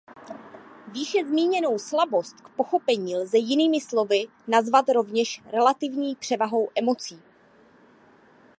Výše zmíněnou „slabost“ k pochopení lze jinými slovy nazvat rovněž relativní převahou emocí.